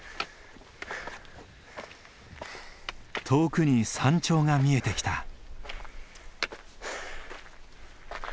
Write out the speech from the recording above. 遠くに山頂が見えてきた。